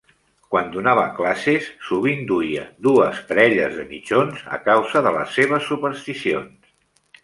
Quan donava classes, sovint duia dues parelles de mitjons a causa de les seves supersticions.